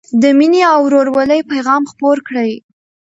د مینې او ورورولۍ پيغام خپور کړئ.